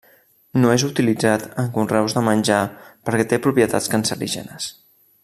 No és utilitzat en conreus de menjar perquè té propietats cancerígenes.